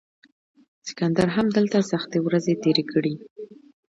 سکندر هم دلته سختې ورځې تیرې کړې